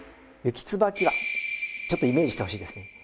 雪椿椀ちょっとイメージしてほしいですね。